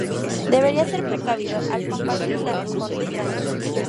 Deberías ser precavido al compartirla con extraños".